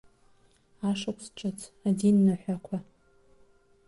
Ашықәс ҿыц, адин ныҳәақәа…